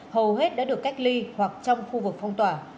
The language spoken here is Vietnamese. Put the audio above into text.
hầu hết đã được cách ly hoặc trong khu vực phong tỏa